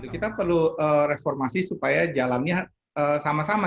kita perlu reformasi supaya jalan nya sama sama